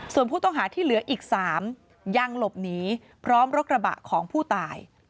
ส่วนผู้ต้องหาที่เหลืออีก๓ยังหลบหนีพร้อมรถกระบะของผู้ตาย